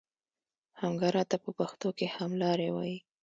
همګرا ته په پښتو کې هملاری وایي.